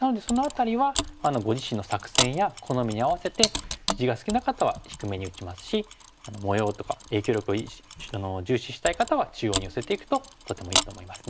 なのでその辺りはご自身の作戦や好みに合わせて地が好きな方は低めに打ちますし模様とか影響力を重視したい方は中央に寄せていくととてもいいと思いますね。